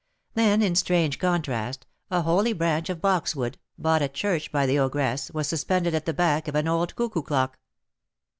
Then, in strange contrast, a holy branch of boxwood, bought at church by the ogress, was suspended at the back of an old cuckoo clock.